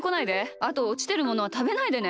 あとおちてるものはたべないでね。